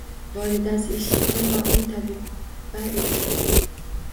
Volidasi eshitti va ul tabiba erdi